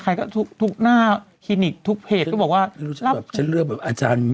คล้ายก็ทุกหน้าคลินิกทุกเพจก็บอกว่า